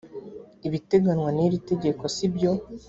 ibiteganywa niritegeko sibyo.